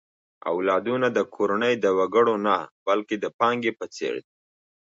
اولادونه د کورنۍ د وګړو نه، بلکې د پانګې په څېر دي.